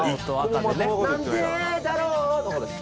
「なんでだろう」の方です。